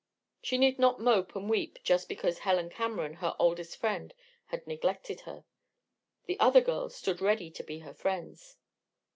She need not mope and weep just because Helen Cameron, her oldest friend, had neglected her. The other girls stood ready to be her friends.